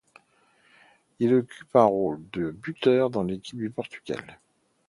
Il occupe le rôle de buteur de l'équipe du Portugal.